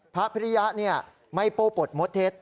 พระพิริยะเนี่ยไม่โปรดมศเทศ